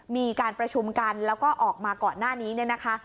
มีการประชุมกันแล้วก็ออกมาก่อนหน้านี้เนี่ยนะคะ